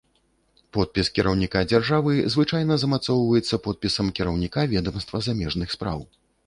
Подпіс кіраўніка дзяржавы звычайна замацоўваецца подпісам кіраўніка ведамства замежных спраў.